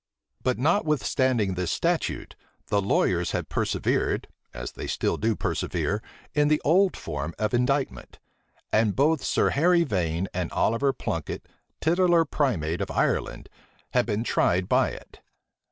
But notwithstanding this statute, the lawyers had persevered, as they still do persevere, in the old form of indictment; and both Sir Harry Vane and Oliver Plunket, titular primate of Ireland, had been tried by it.